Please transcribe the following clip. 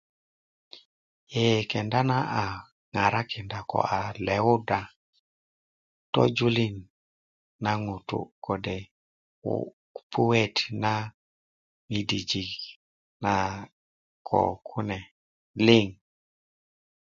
ee kenda na a ŋarakinda ko a lewuda tojulin na ŋutu kode puet na midijik na kokune liŋ